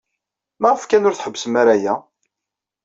Maɣef kan ur tḥebbsem ara aya?